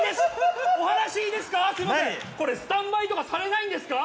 これスタンバイとかされないんですか？